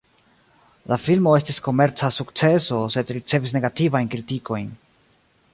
La filmo estis komerca sukceso sed ricevis negativajn kritikojn.